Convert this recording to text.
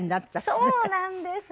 そうなんです。